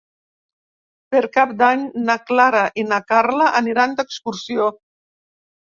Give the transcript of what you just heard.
Per Cap d'Any na Clara i na Carla aniran d'excursió.